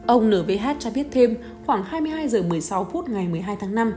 ông n v h cho biết thêm khoảng hai mươi hai h một mươi sáu phút ngày một mươi hai tháng năm